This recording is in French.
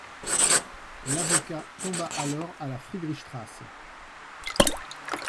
L'avocat combat alors à la Friedrichstraße.